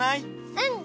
うん！